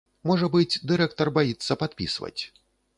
Можа быць, дырэктар баіцца падпісваць.